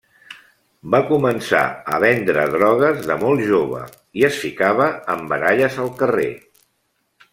Va començar a vendre drogues de molt jove, i es ficava en baralles al carrer.